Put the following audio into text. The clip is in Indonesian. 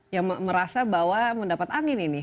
yang merasa bahwa mendapat angin ini